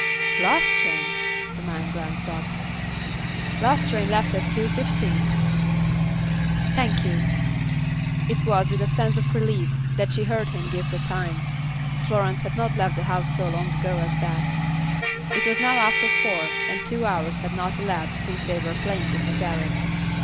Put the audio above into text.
"Last train!" the man glanced up. "Last train left at 2:15." "Thank you." It was with a sense of relief that she heard him give the time. Florence had not left the house so long ago as that. It was now after four, and two hours had not elapsed since they were playing in the garret.